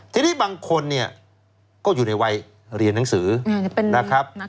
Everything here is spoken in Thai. ทีนี้บางคนเนี่ยก็อยู่ในวัยเรียนหนังสือนะครับ